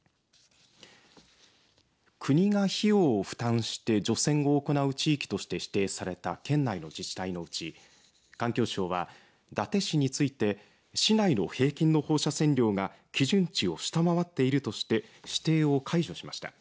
国が費用を負担して除染を行う地域として指定された県内の自治体のうち、環境省は伊達市について市内の平均の放射線量が基準値を下回っているとして指定を解除しました。